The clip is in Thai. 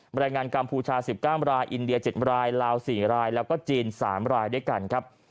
รายงานกัมพูชา๑๙รายอินเดีย๗รายลาว๔รายแล้วก็จีน๓รายด้วยกันครับ